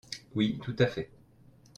Oui, tout à fait.